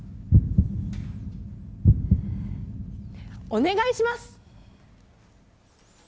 お願いします。